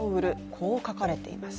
こう書かれています。